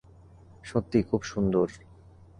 সত্যিই, খুব সুন্দর।